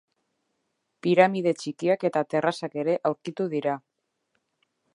Piramide txikiak eta terrazak ere aurkitu dira.